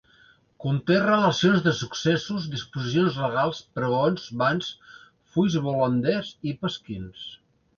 Conté relacions de successos, disposicions legals, pregons, bans, fulls volanders i pasquins.